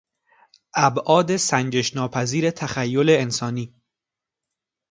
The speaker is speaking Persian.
ابعاد سنجش ناپذیر تخیل انسانی